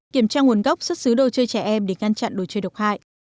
kiểm tra nguồn gốc xuất xứ đồ chơi trẻ em để ngăn chặn đồ chơi độc hại